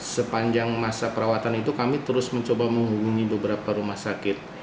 sepanjang masa perawatan itu kami terus mencoba menghubungi beberapa rumah sakit